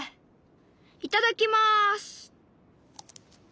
いただきます！